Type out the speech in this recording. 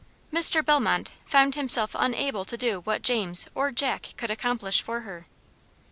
Mr. Bellmont found himself unable to do what James or Jack could accomplish for her.